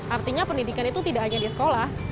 artinya pendidikan itu tidak hanya di sekolah